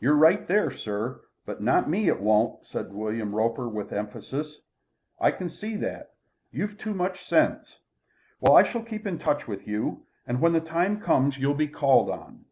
"You're right there, sir. But not me it won't," said William Roper with emphasis. "I can see that. You've too much sense. Well, I shall keep in touch with you, and when the time comes you'll be called on.